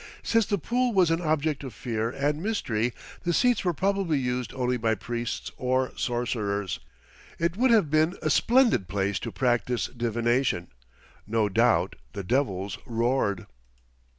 Since the pool was an object of fear and mystery the seats were probably used only by priests or sorcerers. It would have been a splendid place to practice divination. No doubt the devils "roared."